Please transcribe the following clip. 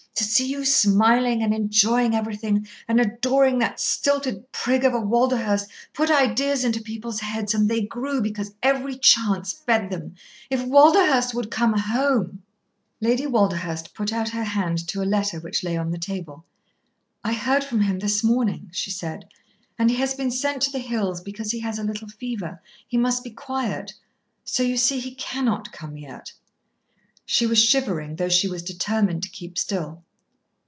To see you smiling and enjoying everything and adoring that stilted prig of a Walderhurst put ideas into people's heads, and they grew because every chance fed them. If Walderhurst would come home " Lady Walderhurst put out her hand to a letter which lay on the table. "I heard from him this morning," she said. "And he has been sent to the Hills because he has a little fever. He must be quiet. So you see he cannot come yet." She was shivering, though she was determined to keep still.